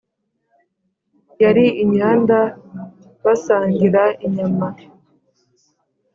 yari inyanda, basangira inyama,